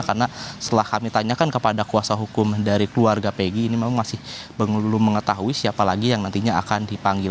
karena setelah kami tanyakan kepada kuasa hukum dari keluarga peggy ini memang masih belum mengetahui siapa lagi yang nantinya akan dipanggil